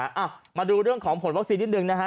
อ่ะมาดูเรื่องของผลวัคซีนนิดนึงนะฮะ